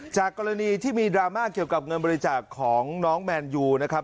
กรณีที่มีดราม่าเกี่ยวกับเงินบริจาคของน้องแมนยูนะครับ